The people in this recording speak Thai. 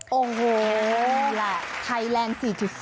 โอ้โหนี่แหละไทยแรง๔๐